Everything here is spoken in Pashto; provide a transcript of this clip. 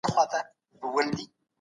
حدود په عمدي جرائمو پوري تړلي جزاوي دي،